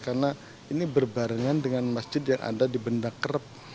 karena ini berbarengan dengan masjid yang ada di benda krep